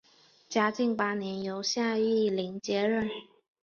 嘉靖八年由夏玉麟接任。